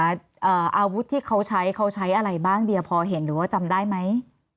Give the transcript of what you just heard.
อาวุธที่เขาใช้เขาใช้อะไรบ้างเดียพอเห็นหรือว่าจำได้ไหม